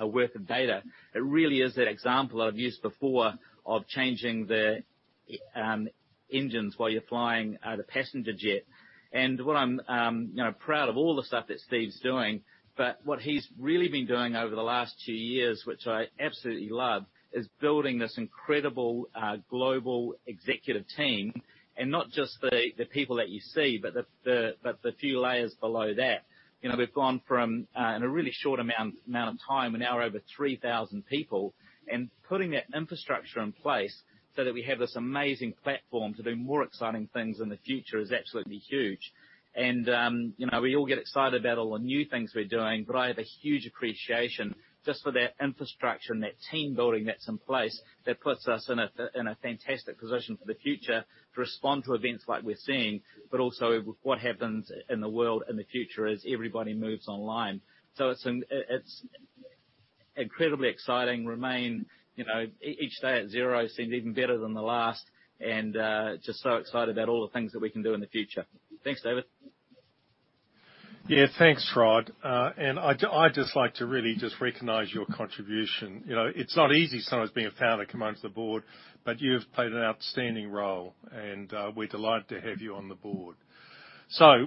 worth of data, it really is that example I've used before of changing the engines while you're flying the passenger jet. What I'm proud of all the stuff that Steve's doing, but what he's really been doing over the last two years, which I absolutely love, is building this incredible global executive team. Not just the people that you see, but the few layers below that. We've gone from, in a really short amount of time, we're now over 3,000 people, and putting that infrastructure in place so that we have this amazing platform to do more exciting things in the future is absolutely huge. We all get excited about all the new things we're doing, but I have a huge appreciation just for that infrastructure and that team building that's in place that puts us in a fantastic position for the future to respond to events like we're seeing, but also what happens in the world in the future as everybody moves online. It's incredibly exciting. Each day at Xero seemed even better than the last, and just so excited about all the things that we can do in the future. Thanks, David. Yeah. Thanks, Rod. I just like to really just recognize your contribution. It's not easy sometimes being a founder coming onto the board, but you've played an outstanding role, and we're delighted to have you on the board.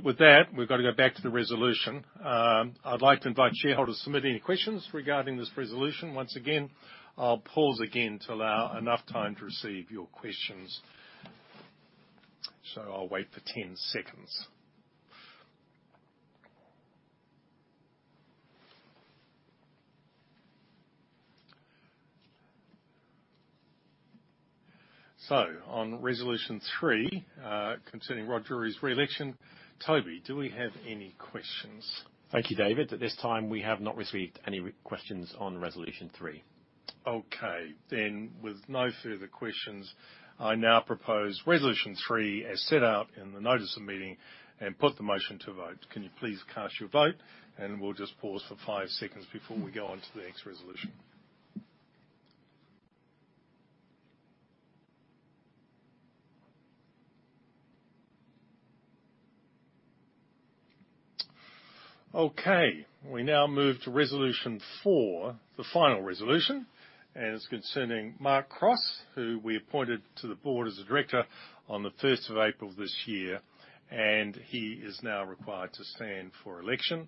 With that, we've got to go back to the resolution. I'd like to invite shareholders to submit any questions regarding this resolution. Once again, I'll pause again to allow enough time to receive your questions. I'll wait for 10 seconds. On resolution three, concerning Rod Drury's reelection. Toby, do we have any questions? Thank you, David. At this time, we have not received any questions on resolution three. Okay. With no further questions, I now propose resolution three as set out in the notice of meeting and put the motion to vote. Can you please cast your vote and we'll just pause for five seconds before we go on to the next resolution. Okay. We now move to resolution four, the final resolution, and it's concerning Mark Cross, who we appointed to the board as a director on the 1st of April this year, and he is now required to stand for election.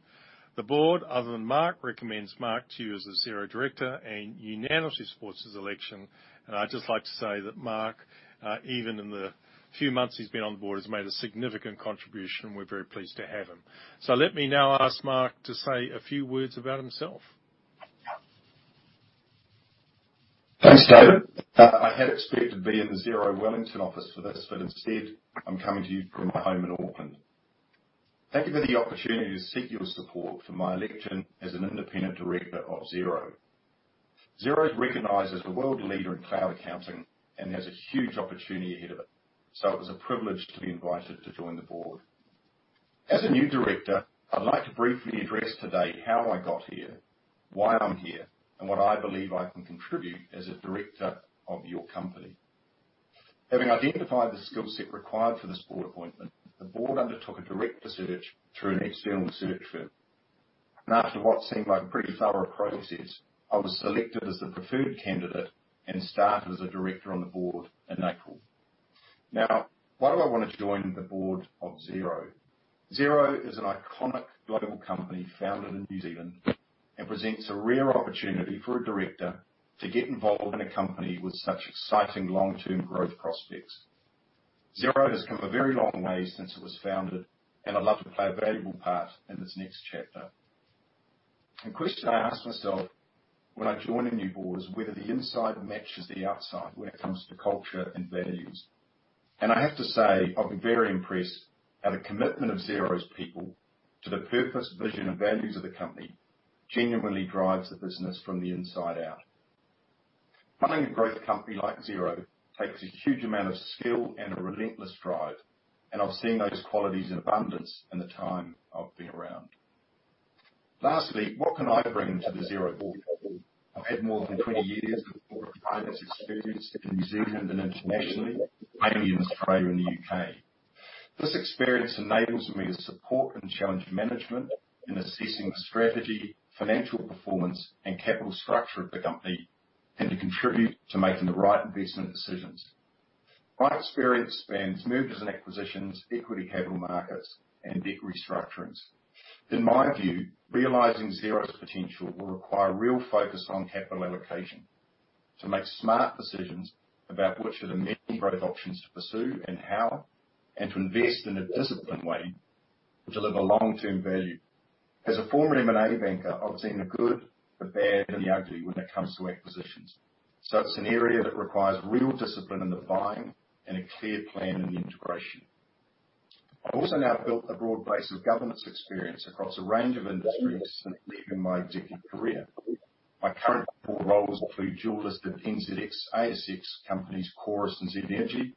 The board, other than Mark, recommends Mark to you as a Xero director and unanimously supports his election. I'd just like to say that Mark, even in the few months he's been on the board, has made a significant contribution, and we're very pleased to have him. Let me now ask Mark to say a few words about himself. Thanks, David. I had expected to be in the Xero Wellington office for this, but instead, I'm coming to you from my home in Auckland. Thank you for the opportunity to seek your support for my election as an independent director of Xero. Xero's recognized as the world leader in cloud accounting and has a huge opportunity ahead of it. It was a privilege to be invited to join the board. As a new director, I'd like to briefly address today how I got here, why I'm here, and what I believe I can contribute as a director of your company. Having identified the skill set required for this board appointment, the board undertook a director search through an external search firm. After what seemed like a pretty thorough process, I was selected as the preferred candidate and started as a director on the board in April. Why do I want to join the board of Xero? Xero is an iconic global company founded in New Zealand and presents a rare opportunity for a director to get involved in a company with such exciting long-term growth prospects. Xero has come a very long way since it was founded, and I'd love to play a valuable part in this next chapter. A question I asked myself when I join a new board is whether the inside matches the outside when it comes to culture and values. I have to say, I've been very impressed at a commitment of Xero's people to the purpose, vision, and values of the company genuinely drives the business from the inside out. Running a growth company like Xero takes a huge amount of skill and a relentless drive, and I've seen those qualities in abundance in the time I've been around. Lastly, what can I bring to the Xero board? I've had more than 20 years of board and finance experience in New Zealand and internationally, mainly in Australia and the U.K. This experience enables me to support and challenge management in assessing the strategy, financial performance, and capital structure of the company, and to contribute to making the right investment decisions. My experience spans mergers and acquisitions, equity capital markets, and debt restructurings. In my view, realizing Xero's potential will require real focus on capital allocation to make smart decisions about which of the many growth options to pursue and how, and to invest in a disciplined way to deliver long-term value. As a former M&A banker, I've seen the good, the bad, and the ugly when it comes to acquisitions. It's an area that requires real discipline in the buying and a clear plan in the integration. I've also now built a broad base of governance experience across a range of industries since leaving my executive career. My current board roles include dual-listed NZX/ASX companies, Chorus and Z Energy,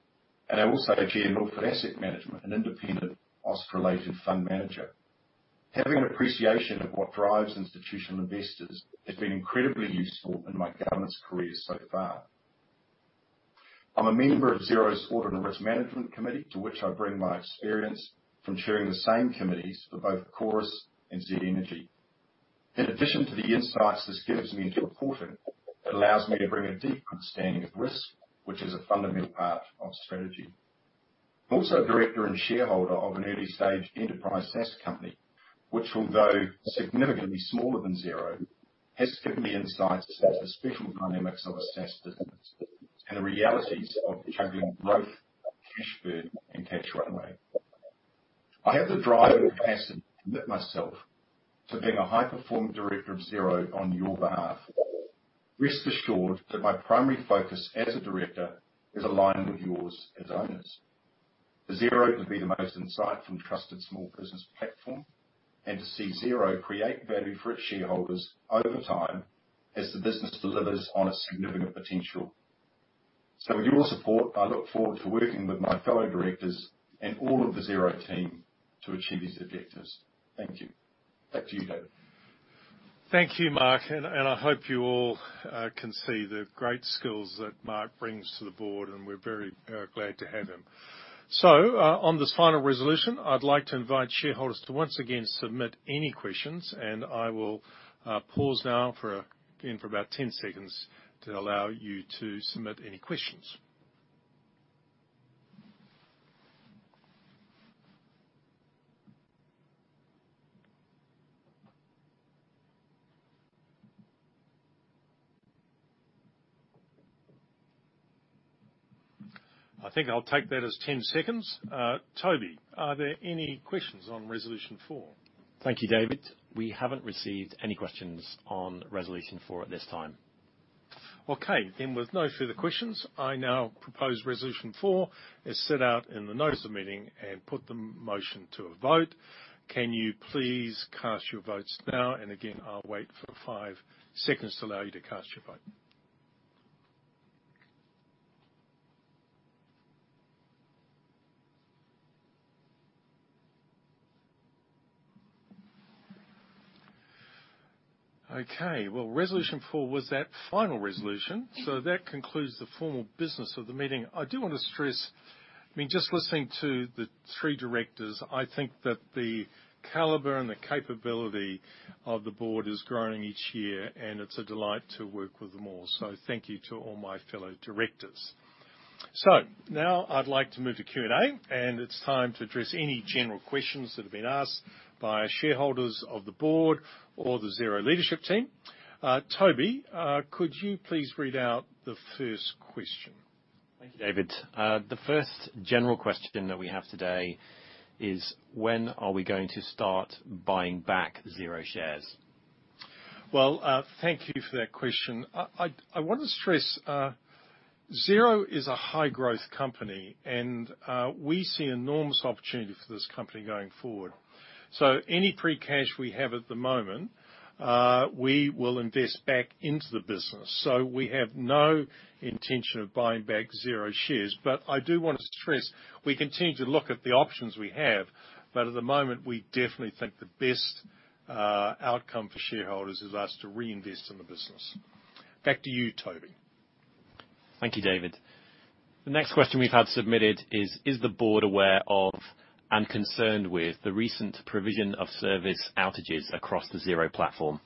and I'm also a chair of Milford Asset Management, an independent Australasian fund manager. Having an appreciation of what drives institutional investors has been incredibly useful in my governance career so far. I'm a member of Xero's Audit and Risk Management Committee, to which I bring my experience from chairing the same committees for both Chorus and Z Energy. In addition to the insights this gives me into reporting, it allows me to bring a deep understanding of risk, which is a fundamental part of strategy. I'm also a director and shareholder of an early-stage enterprise SaaS company, which although significantly smaller than Xero, has given me insights into the special dynamics of a SaaS business and the realities of juggling growth, cash burn, and cash runway. I have the drive and capacity to commit myself to being a high-performing director of Xero on your behalf. Rest assured that my primary focus as a director is aligned with yours as owners. For Xero to be the most insightful and trusted small business platform and to see Xero create value for its shareholders over time as the business delivers on its significant potential. With your support, I look forward to working with my fellow directors and all of the Xero team to achieve these objectives. Thank you. Back to you, David. Thank you, Mark, and I hope you all can see the great skills that Mark brings to the board, and we're very glad to have him. On this final resolution, I'd like to invite shareholders to once again submit any questions. I will pause now again for about 10 seconds to allow you to submit any questions. I think I'll take that as 10 seconds. Toby, are there any questions on resolution four? Thank you, David. We haven't received any questions on resolution Four at this time. With no further questions, I now propose Resolution Four, as set out in the notice of the meeting, and put the motion to a vote. Can you please cast your votes now? Again, I'll wait for five seconds to allow you to cast your vote. Well, Resolution Four was that final resolution, that concludes the formal business of the meeting. I do want to stress, just listening to the three directors, I think that the caliber and the capability of the board is growing each year, and it's a delight to work with them all. Thank you to all my fellow directors. Now I'd like to move to Q&A, and it's time to address any general questions that have been asked by shareholders of the board or the Xero leadership team. Toby, could you please read out the first question? Thank you, David. The first general question that we have today is, when are we going to start buying back Xero shares? Well, thank you for that question. I want to stress, Xero is a high-growth company, and we see enormous opportunity for this company going forward. Any free cash we have at the moment, we will invest back into the business. We have no intention of buying back Xero shares, but I do want to stress, we continue to look at the options we have. At the moment, we definitely think the best outcome for shareholders is us to reinvest in the business. Back to you, Toby. Thank you, David. The next question we've had submitted is the board aware of and concerned with the recent provision of service outages across the Xero platform?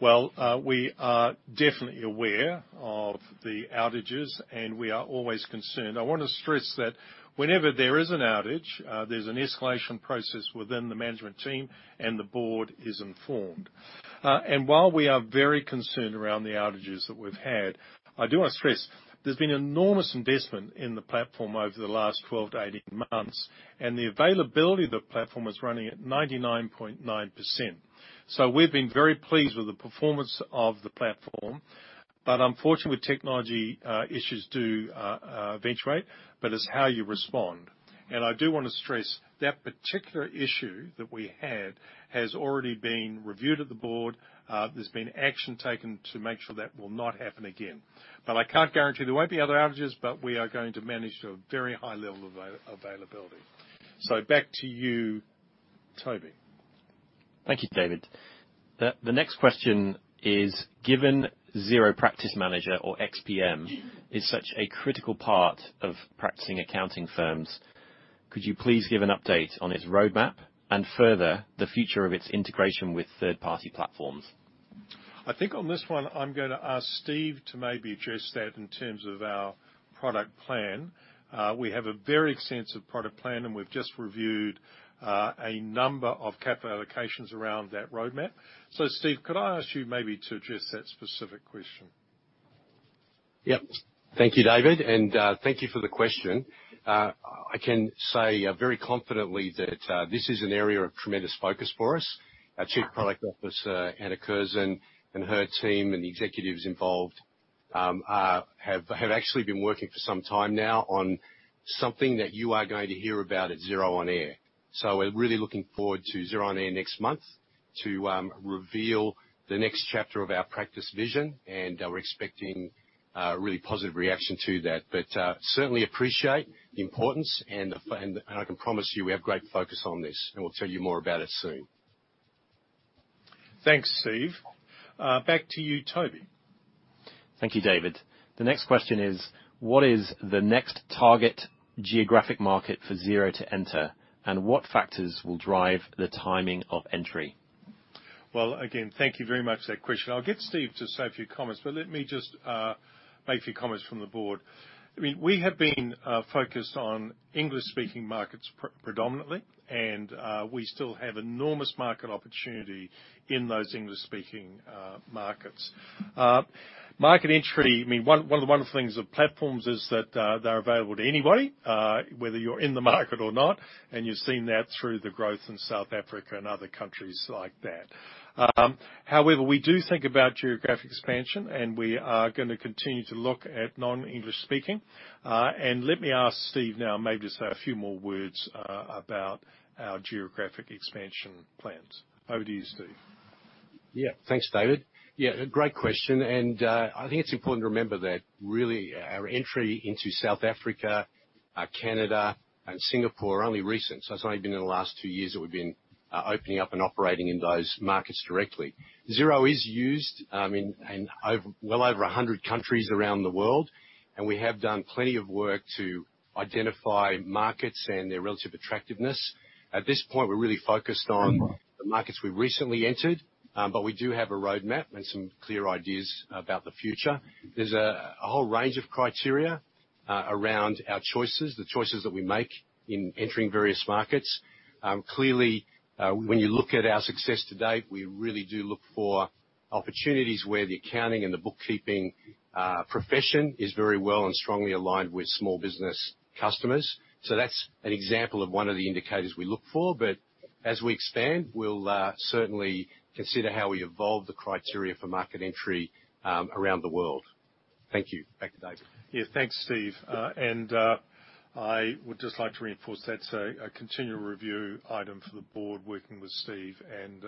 Well, we are definitely aware of the outages, and we are always concerned. I want to stress that whenever there is an outage, there's an escalation process within the management team, and the board is informed. While we are very concerned around the outages that we've had, I do want to stress there's been enormous investment in the platform over the last 12 to 18 months, and the availability of the platform is running at 99.9%. We've been very pleased with the performance of the platform. Unfortunately, with technology, issues do eventuate, but it's how you respond. I do want to stress that particular issue that we had has already been reviewed at the board. There's been action taken to make sure that will not happen again. I can't guarantee there won't be other outages, but we are going to manage a very high level of availability. Back to you, Toby. Thank you, David. The next question is, given Xero Practice Manager, or XPM, is such a critical part of practicing accounting firms, could you please give an update on its roadmap, and further, the future of its integration with third-party platforms? I think on this one, I'm going to ask Steve to maybe address that in terms of our product plan. We have a very extensive product plan. We've just reviewed a number of capital allocations around that roadmap. Steve, could I ask you maybe to address that specific question? Yep. Thank you, David, and thank you for the question. I can say very confidently that this is an area of tremendous focus for us. Our Chief Product Officer, Anna Curzon, and her team, and the executives involved, have actually been working for some time now on something that you are going to hear about at Xero On Air. We're really looking forward to Xero On Air next month to reveal the next chapter of our practice vision, and we're expecting a really positive reaction to that. Certainly appreciate the importance, and I can promise you we have great focus on this, and we'll tell you more about it soon. Thanks, Steve. Back to you, Toby. Thank you, David. The next question is, what is the next target geographic market for Xero to enter, and what factors will drive the timing of entry? Well, again, thank you very much for that question. I'll get Steve to say a few comments, but let me just make a few comments from the board. We have been focused on English-speaking markets predominantly, and we still have enormous market opportunity in those English-speaking markets. Market entry, one of the wonderful things of platforms is that they're available to anybody, whether you're in the market or not, and you've seen that through the growth in South Africa and other countries like that. We do think about geographic expansion, and we are going to continue to look at non-English speaking. Let me ask Steve now maybe to say a few more words about our geographic expansion plans. Over to you, Steve. Yeah. Thanks, David. Yeah, great question. I think it's important to remember that really our entry into South Africa, Canada, and Singapore are only recent. It's only been in the last two years that we've been opening up and operating in those markets directly. Xero is used in well over 100 countries around the world. We have done plenty of work to identify markets and their relative attractiveness. At this point, we're really focused on the markets we've recently entered. We do have a roadmap and some clear ideas about the future. There's a whole range of criteria around our choices, the choices that we make in entering various markets. Clearly, when you look at our success to date, we really do look for opportunities where the accounting and the bookkeeping profession is very well and strongly aligned with small business customers. That's an example of one of the indicators we look for. As we expand, we'll certainly consider how we evolve the criteria for market entry around the world. Thank you. Back to David. Yeah. Thanks, Steve. I would just like to reinforce that's a continual review item for the Board working with Steve and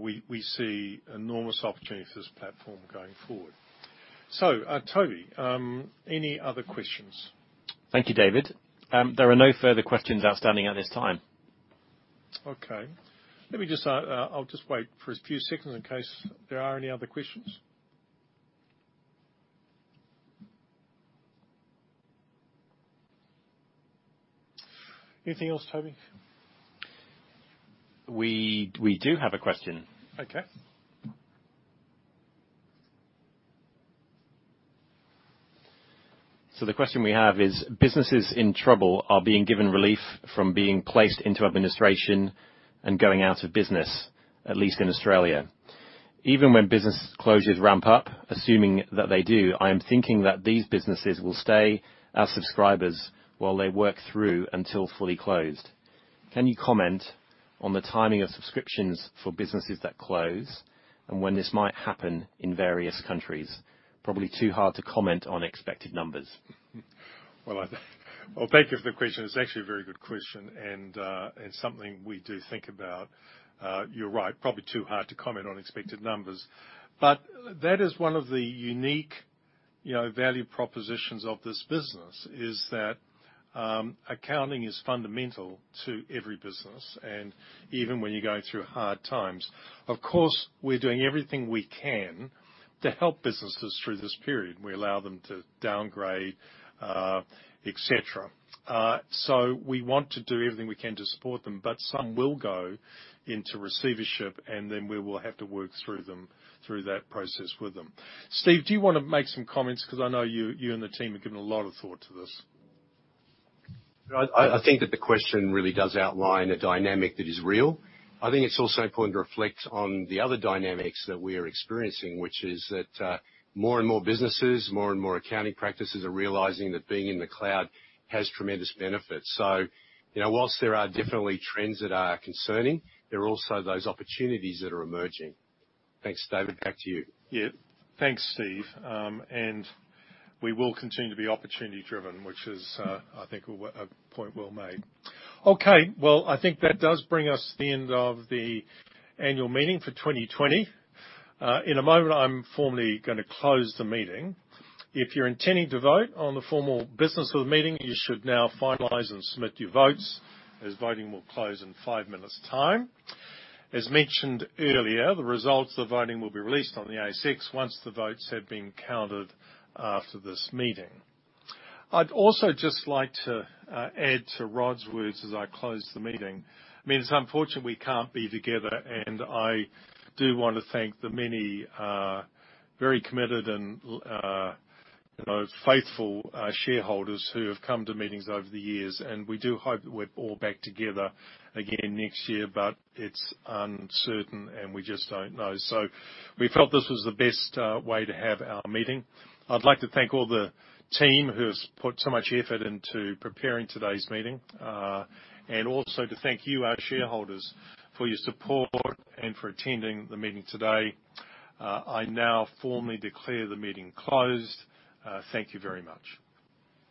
we see enormous opportunity for this platform going forward. Toby, any other questions? Thank you, David. There are no further questions outstanding at this time. Okay. I'll just wait for a few seconds in case there are any other questions. Anything else, Toby? We do have a question. Okay. The question we have is, "Businesses in trouble are being given relief from being placed into administration and going out of business, at least in Australia. Even when business closures ramp up, assuming that they do, I am thinking that these businesses will stay as subscribers while they work through until fully closed. Can you comment on the timing of subscriptions for businesses that close and when this might happen in various countries? Probably too hard to comment on expected numbers. Well, thank you for the question. It's actually a very good question and something we do think about. You're right, probably too hard to comment on expected numbers. That is one of the unique value propositions of this business is that accounting is fundamental to every business, and even when you're going through hard times. Of course, we're doing everything we can to help businesses through this period. We allow them to downgrade, et cetera. We want to do everything we can to support them, but some will go into receivership, and then we will have to work through that process with them. Steve, do you want to make some comments because I know you and the team have given a lot of thought to this? I think that the question really does outline a dynamic that is real. I think it's also important to reflect on the other dynamics that we are experiencing, which is that more and more businesses, more and more accounting practices are realizing that being in the cloud has tremendous benefits. Whilst there are definitely trends that are concerning, there are also those opportunities that are emerging. Thanks, David. Back to you. Yeah. Thanks, Steve. We will continue to be opportunity-driven, which is, I think, a point well made. Okay. Well, I think that does bring us to the end of the annual meeting for 2020. In a moment, I'm formally going to close the meeting. If you're intending to vote on the formal business of the meeting, you should now finalize and submit your votes, as voting will close in five minutes' time. As mentioned earlier, the results of the voting will be released on the ASX once the votes have been counted after this meeting. I'd also just like to add to Rod's words as I close the meeting. It's unfortunate we can't be together, and I do want to thank the many very committed and faithful shareholders who have come to meetings over the years, and we do hope that we're all back together again next year, but it's uncertain, and we just don't know. We felt this was the best way to have our meeting. I'd like to thank all the team who has put so much effort into preparing today's meeting, and also to thank you, our shareholders, for your support and for attending the meeting today. I now formally declare the meeting closed. Thank you very much.